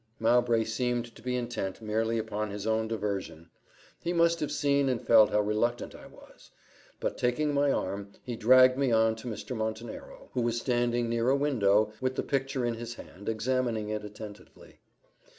Mowbray seemed to be intent merely upon his own diversion; he must have seen and felt how reluctant I was: but, taking my arm, he dragged me on to Mr. Montenero, who was standing near a window, with the picture in his hand, examining it attentively.